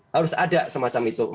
harus ada semacam itu